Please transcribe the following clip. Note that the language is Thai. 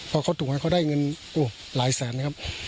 พอเขาถูกหน่วยเขาได้เงินโอ้หลายแสนนะครับ